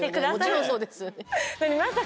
もちろんそうですよね。